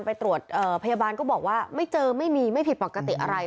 ไปตรวจพยาบาลก็บอกว่าไม่เจอไม่มีไม่ผิดปกติอะไร